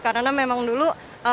karena memang dulu